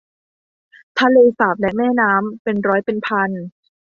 ทะเลสาบและแม่น้ำ เป็นร้อยเป็นพัน